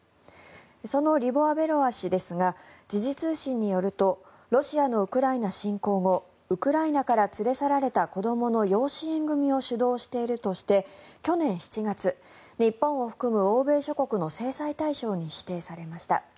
そのリボワ・ベロワ氏ですが時事通信によるとロシアのウクライナ侵攻後ウクライナから連れ去られた子どもの養子縁組を主導しているとして去年７月、日本を含む欧米諸国の制裁対象に指定されました。